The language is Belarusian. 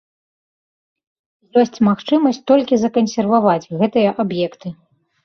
Ёсць магчымасць толькі закансерваваць гэтыя аб'екты.